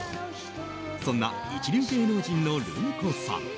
そんな一流芸能人のルミ子さん